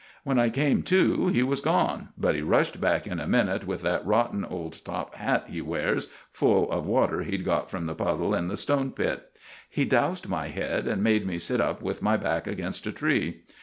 When I came to he was gone, but he rushed back in a minute with that rotten old top hat he wears full of water he'd got from the puddle in the stone pit. He doused my head and made me sit up with my back against a tree.